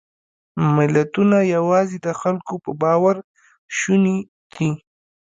ملتونه یواځې د خلکو په باور شوني دي.